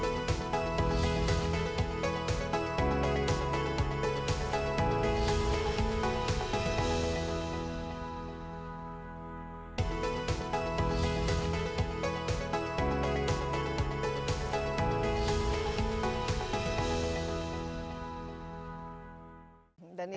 jadi itu adalah perusahaan yang harus diperhatikan